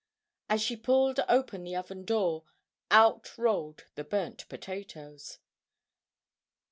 As she pulled open the oven door, out rolled the burnt potatoes.